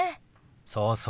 そうそう。